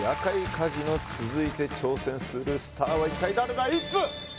カジノ続いて挑戦するスターは一体誰だ？